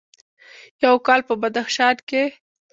یو کال په بدخشان کې: